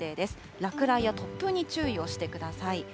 落雷や突風に注意をしてください。